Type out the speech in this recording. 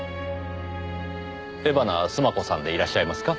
江花須磨子さんでいらっしゃいますか？